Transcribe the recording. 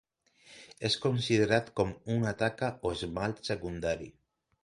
És considerat com una taca o esmalt secundari.